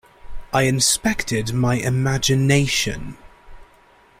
I inspected my imagination.